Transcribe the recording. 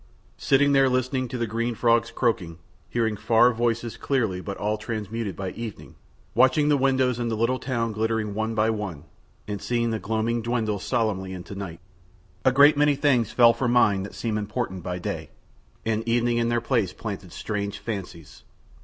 Sitting there listening to the green frogs croaking, hearing far voices clearly but all transmuted by evening, watching the windows in the little town glimmering one by one, and seeing the gloaming dwindle solemnly into night, a great many things fell from mind that seem important by day, and evening in their place planted strange fancies.